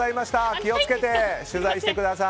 気を付けて取材してください。